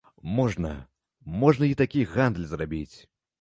Можна, можна і такі гандаль зрабіць.